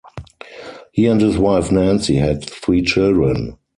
He and his wife Nancy had three children.